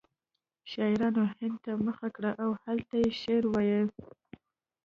شاعرانو هند ته مخه کړه او هلته یې شعر وایه